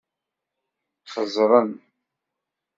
Xeẓẓren.